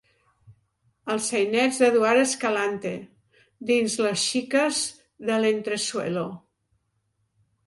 «Els sainets d'Eduard Escalante» dins Les xiques de l'entresuelo.